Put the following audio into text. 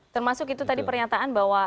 termasuk itu tadi pernyataan bahwa